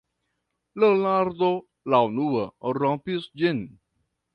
Leonardo la unua rompis ĝin: